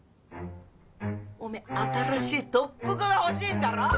おめえ新しい特服が欲しいんだろ？